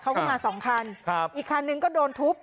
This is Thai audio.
เขาก็มา๒คันอีกคันนึงก็โดนทุบ